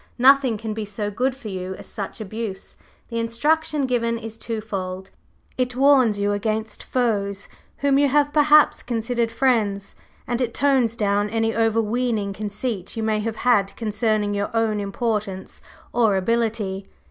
Nothing can be so good for you as such abuse; the instruction given is twofold; it warns you against foes whom you have perhaps considered friends, and it tones down any overweening conceit you may have had concerning your own importance or ability.